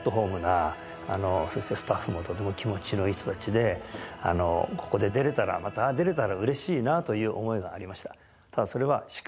そしてスタッフもとても気持ちのいい人たちでここで出られたらまた出られたら嬉しいなという思いがありました。